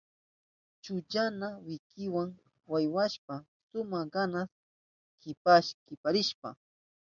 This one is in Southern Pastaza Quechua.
Chukchanta wituwa mayllashpan suma yana kiparishka.